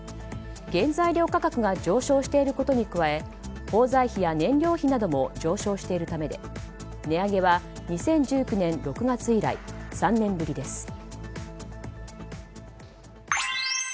原材料価格が上昇していることに加え包材費や燃料費なども上昇しているためで値上げは、２０１９年６月以来３年ぶりです。